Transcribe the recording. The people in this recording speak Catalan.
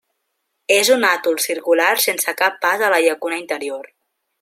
És un atol circular sense cap pas a la llacuna interior.